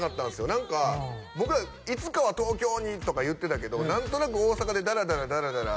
何か僕らいつかは東京にとか言ってたけど何となく大阪でダラダラダラダラ